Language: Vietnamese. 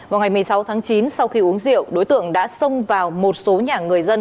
vào ngày một mươi sáu tháng chín sau khi uống rượu đối tượng đã xông vào một số nhà người dân